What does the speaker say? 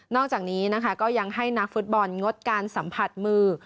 อกจากนี้นะคะก็ยังให้นักฟุตบอลงดการสัมผัสมือ